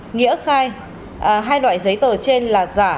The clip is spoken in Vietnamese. nghĩa khai hai loại giấy tờ trên là giả